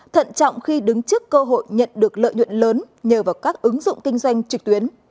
thận trọng khi đứng trước cơ hội nhận được lợi nhuận lớn nhờ vào các ứng dụng kinh doanh trực tuyến